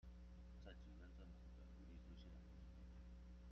在幾任政府的努力之下